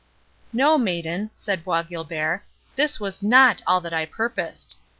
"No maiden," said Bois Guilbert, "this was NOT all that I purposed.